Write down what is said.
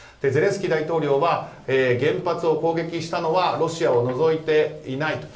ゼレンスキー大統領は原発を攻撃したのはロシアを除いて、いない。